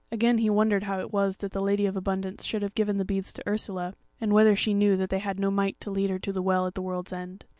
Again he wondered how it was that the Lady of Abundance should have given the beads to Ursula, and whether she knew that they had no might to lead her to the Well at the World's End.